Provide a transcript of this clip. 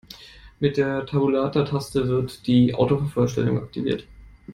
Mit der Tabulatortaste wird die Autovervollständigung aktiviert.